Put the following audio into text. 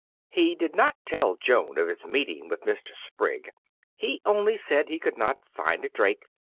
He did not tell Joan of his meeting with Mr. Sprigg; he only said he could not find a drake.